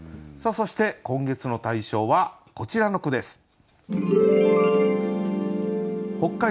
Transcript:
そして今月の大賞はこちらの句です。